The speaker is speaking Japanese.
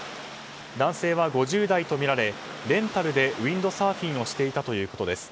男性は５０代とみられレンタルでウインドサーフィンをしていたということです。